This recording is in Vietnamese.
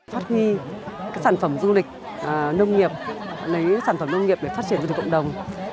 phát huy sản phẩm du lịch nông nghiệp sản phẩm nông nghiệp để phát triển cho cộng đồng